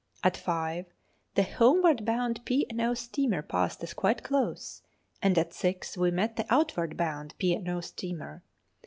At five the homeward bound P. and O. steamer passed us quite close, and at six we met the outward bound P. and O. steamer.